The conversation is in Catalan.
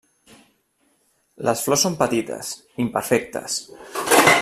Les flors són petites, imperfectes.